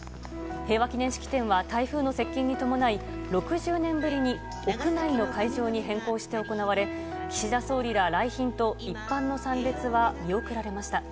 平和祈念式典は台風の接近に伴い６０年ぶりに屋内の会場に変更して行われ岸田総理ら来賓と一般の参列は見送られました。